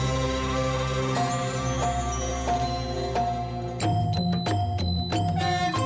โอ้โหโอ้โหโอ้โห